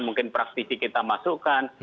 mungkin praktisi kita masukkan